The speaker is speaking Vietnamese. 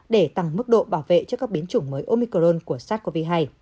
để tăng mức độ bảo vệ trước các biến chủng mới omicron của sars cov hai